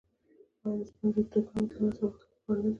آیا د سپند دود کول د نظر ماتولو لپاره نه وي؟